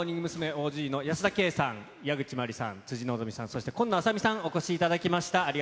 ＯＧの保田圭さん、矢口真里さん、辻希美さん、そして紺野あさ美さん、お越しいただきました。